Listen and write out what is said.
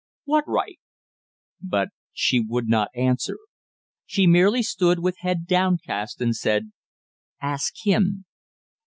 "What right?" But she would not answer. She merely stood with head downcast, and said "Ask him."